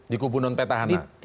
di kubu non petahana